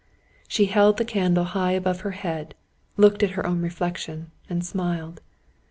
She held the candle high above her head, looked at her own reflection, and smiled.